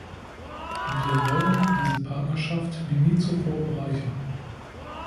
Wir wollen diese Partnerschaft wie nie zuvor bereichern.